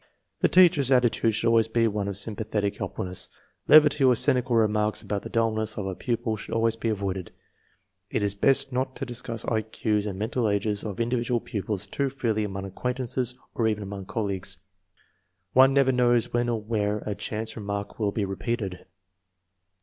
The teacher's attitude should always be one of sympathetic helpfulness. Levity or cynical remarks about the dullness of a pupil should always be avoided, It is best not to discuss I Q's and mental ages of in dividual pupils too freely among acquaintances or even among colleagues. One never knows when or where a chance remark will be repeated.